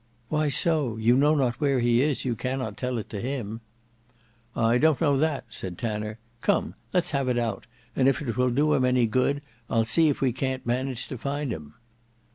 "Why so? You know not where he is; you cannot tell it to him." "I don't know that," said Tanner. "Come, let's have it out; and if it will do him any good. I'll see if we can't manage to find him."